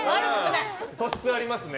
素質ありますね。